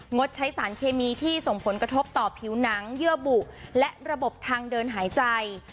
ดใช้สารเคมีที่ส่งผลกระทบต่อผิวหนังเยื่อบุและระบบทางเดินหายใจ